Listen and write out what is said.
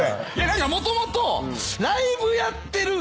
もともと。